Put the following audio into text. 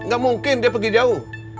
gak mungkin dia pergi jauh